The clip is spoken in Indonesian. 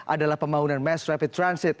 adalah pembangunan mass rapid transit